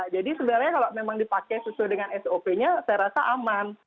jadi sebenarnya kalau memang dipakai sesuai dengan sop nya saya rasa aman